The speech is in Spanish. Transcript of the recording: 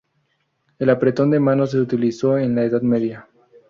El apretón de manos se utilizó en la Edad Media.